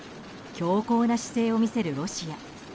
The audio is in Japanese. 強硬な姿勢を見せるロシア。